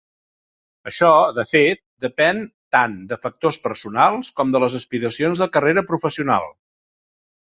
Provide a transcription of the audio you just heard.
Això, de fet, depèn tant de factors personals com de les aspiracions de carrera professional.